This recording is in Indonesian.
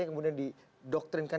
yang kemudian didoktrinkan